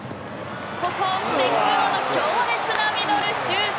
ここをペク・スンホの強烈なミドルシュート。